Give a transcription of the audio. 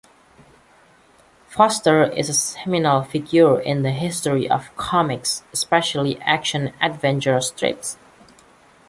Foster is a seminal figure in the history of comics, especially action-adventure strips.